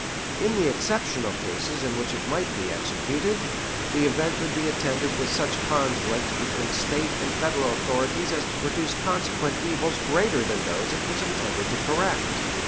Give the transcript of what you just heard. In the exceptional cases in which it might be executed, the event would be attended with such conflict between the State and Federal authorities as to produce consequent evils greater than those it was intended to correct.